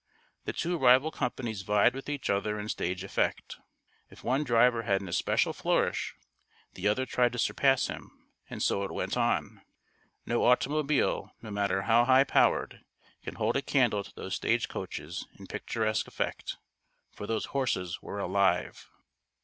The two rival companies vied with each other in stage effect. If one driver had an especial flourish, the other tried to surpass him, and so it went on. No automobile, no matter how high powered, can hold a candle to those stage coaches in picturesque effect, for those horses were alive.